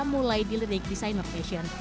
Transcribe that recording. mulai di lidik designer fashion